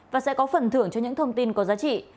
và sẽ có phần thưởng cho những thông tin có giá trị